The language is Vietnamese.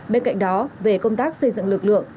bên cạnh đó về công tác xây dựng lực lượng